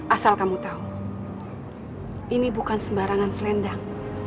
asal kamu tahu ini bukan sembarangan selendang